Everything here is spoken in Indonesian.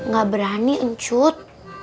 gak berani pencut